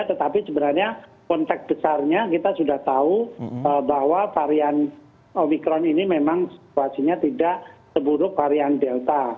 tetapi sebenarnya kontak besarnya kita sudah tahu bahwa varian omikron ini memang situasinya tidak seburuk varian delta